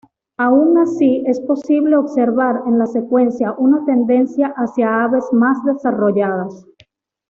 Aun así es posible observar en la secuencia una tendencia hacia aves más desarrolladas.